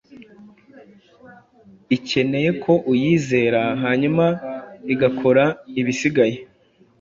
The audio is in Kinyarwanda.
Ikeneye ko uyizera, hanyuma igakora ibisigaye.